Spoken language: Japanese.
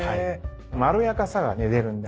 まろやかさが出るんで。